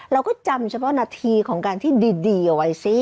เราก็จำเฉพาะนาทีของการที่ดีเอาไว้สิ